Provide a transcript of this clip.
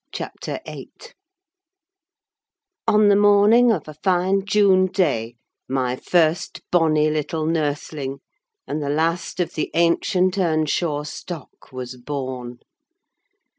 CHAPTER VIII On the morning of a fine June day my first bonny little nursling, and the last of the ancient Earnshaw stock, was born.